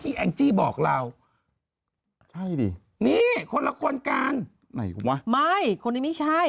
แองจี้บอกเราใช่ดินี่คนละคนกันไหนวะไม่คนนี้ไม่ใช่